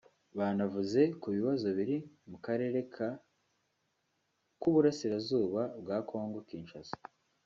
banavuze ku bibazo biri mu karere ka k’u Burasirazuba bwa Congo Kinshasa